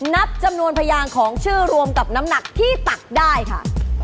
นับจำนวนพยางของชื่อรวมกับน้ำหนักที่ตักได้ค่ะ